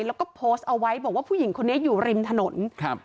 แล้วก็โพสต์เอาไว้บอกว่าผู้หญิงคนนี้อยู่ริมถนนครับ